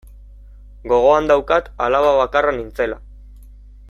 Gogoan daukat alaba bakarra nintzela.